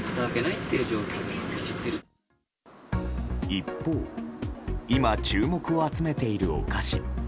一方今、注目を集めているお菓子。